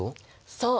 そう！